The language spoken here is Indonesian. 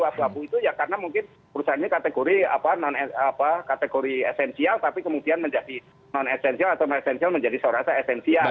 abu abu itu ya karena mungkin perusahaan ini kategori esensial tapi kemudian menjadi non esensial atau non esensial menjadi saya rasa esensial